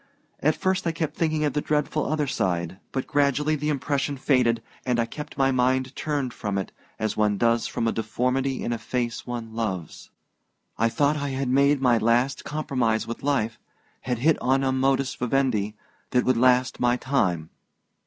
At first I kept thinking of the dreadful other side but gradually the impression faded, and I kept my mind turned from it, as one does from a deformity in a face one loves. I thought I had made my last compromise with life had hit on a modus vivendi that would last my time.